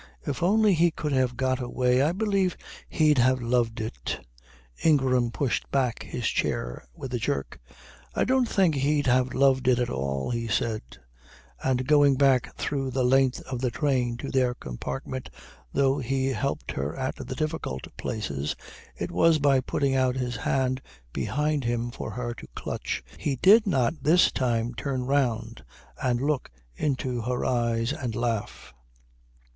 "If only he could have got away I believe he'd have loved it." Ingram pushed back his chair with a jerk. "I don't think he'd have loved it at all," he said; and going back through the length of the train to their compartment though he helped her at the difficult places, it was by putting out his hand behind him for her to clutch, he did not this time turn round and look into her eyes and laugh.